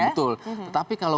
rancu gitu ya